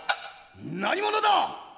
「何者だっ！」。